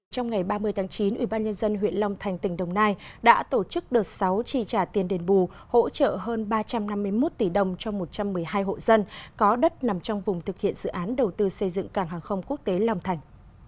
trong ngày ba mươi tháng chín ubnd huyện long thành tỉnh đồng nai đã tổ chức đợt sáu tri trả tiền đền bù hỗ trợ hơn ba trăm năm mươi một tỷ đồng cho một trăm một mươi hai hộ dân có đất nằm trong vùng thực hiện dự án đầu tư xây dựng cảng hàng không quốc tế long thành